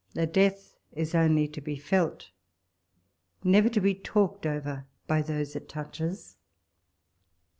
— a death is only to be felt, never to be talked over by those it touches